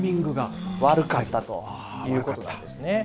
悪かったということなんですね。